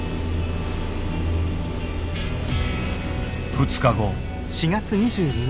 ２日後。